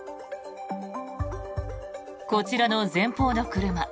こちらの前方の車。